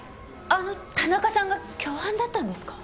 あの田中さんが共犯だったんですか？